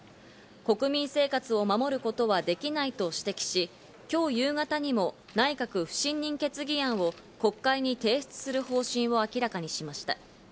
国民生活を守ることはできないと指摘し、今日夕方にも内閣不信任決議案を国会に提出する方針を明らかにしました。